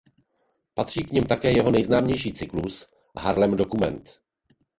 Patří k nim také jeho nejznámější cyklus "Harlem Dokument".